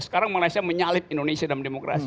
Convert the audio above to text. sekarang malaysia menyalip indonesia dalam demokrasi